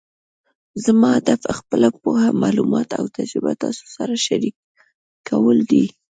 زما هدف خپله پوهه، معلومات او تجربه تاسو سره شریکول دي